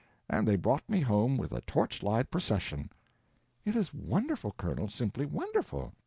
And they brought me home with a torchlight procession." "It is wonderful, Colonel, simply wonderful."